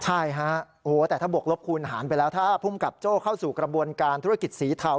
ใช่ฮะโอ้โหแต่ถ้าบวกลบคูณหารไปแล้วถ้าภูมิกับโจ้เข้าสู่กระบวนการธุรกิจสีเทา